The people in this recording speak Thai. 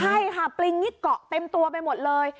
ใช่ค่ะปริงนี่เกาะเต็มตัวไปหมดเลย